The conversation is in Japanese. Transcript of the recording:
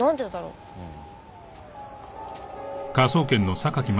うん。